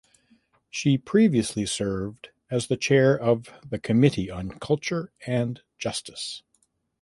She previously served as the chair of the Committee on Culture and Justice.